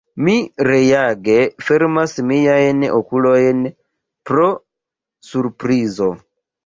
Mi reage fermas miajn okulojn pro surprizo.